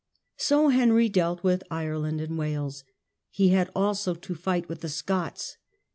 So Henry dealt with Ireland and Wales. He had also to fight with the Scots.